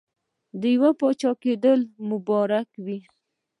یو د پاچاکېدلو مبارکي وي.